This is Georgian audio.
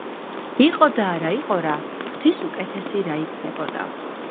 იყო და არა იყო რა, ღვთის უკეთესი რა იქნებოდა